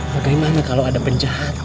bagaimana kalau ada penjahat